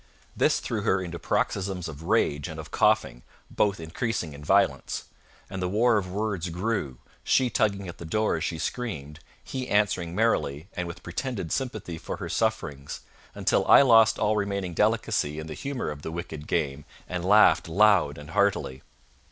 This threw her into paroxysms of rage and of coughing, both increasing in violence; and the war of words grew, she tugging at the door as she screamed, he answering merrily, and with pretended sympathy for her sufferings, until I lost all remaining delicacy in the humour of the wicked game, and laughed loud and heartily.